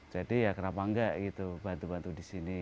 jadi ya kenapa enggak bantu bantu di sini